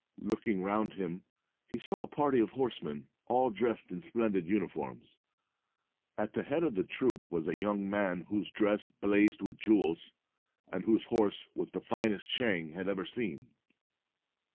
Looking round him, he saw a party of horsemen, all dressed in splendid uniforms. At the head of the troop was a young man whose dress blazed with jewels, and whose horse was the finest Chang had ever seen.